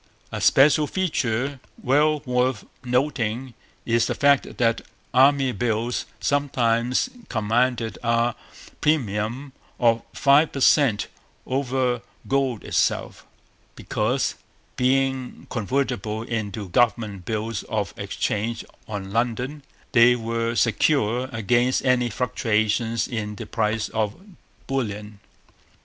A special feature well worth noting is the fact that Army Bills sometimes commanded a premium of five per cent over gold itself, because, being convertible into government bills of exchange on London, they were secure against any fluctuations in the price of bullion.